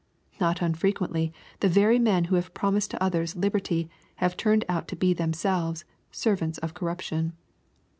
Not unfrequeutly the very men ■e promised to others liberty have turned out to iselves "servants of corruption."